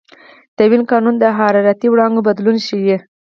د وین قانون د حرارتي وړانګو بدلون ښيي.